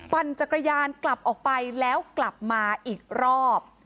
ปั่นจักรยานกลับออกไปแล้วกลับมาอีกรอบ